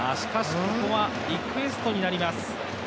しかしここはリクエストになります。